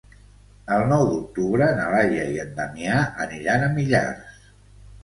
El nou d'octubre na Laia i en Damià aniran a Millars.